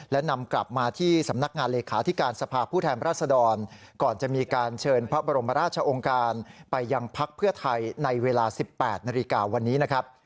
และนำกลับมาที่สำนักงานเลขาธิการสภาพผู้แทนรัศดรก่อนจะมีการเชิญพระบรมราชองค์การไปยังพักเพื่อไทยในเวลา๑๘นาฬิกาวันนี้นะครับ